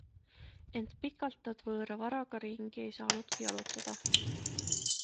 Ent pikalt nad võõra varaga ringi ei saanudki jalutada.